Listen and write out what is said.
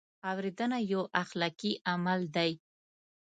اورېدنه یو اخلاقي عمل دی.